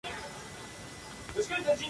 Tiene asimismo importancia la ganadería.